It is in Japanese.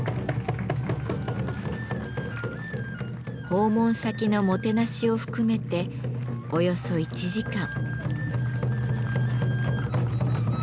訪問先のもてなしを含めておよそ１時間。